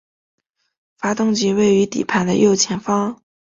发动机位于底盘的右前方。